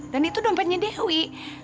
dan itu dompetnya dewi